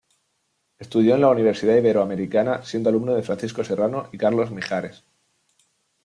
Estudió en la Universidad Iberoamericana, siendo alumno de Francisco Serrano y Carlos Mijares.